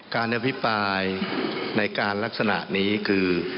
การอภิปรายในการลักษณะนี้คือ